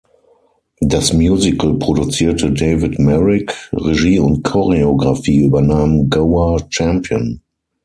Das Musical produzierte David Merrick, Regie und Choreografie übernahm Gower Champion.